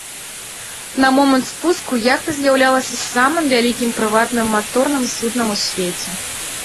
На момант спуску яхта з'яўлялася самым вялікім прыватным маторным суднам ў свеце.